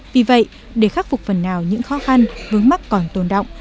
vì vậy để khắc phục phần nào những khó khăn vướng mắt còn tồn động